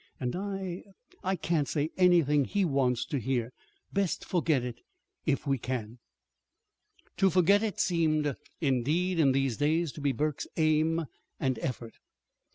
"And I I can't say anything he wants to hear. Best forget it if we can." To "forget it" seemed, indeed, in these days, to be Burke's aim and effort.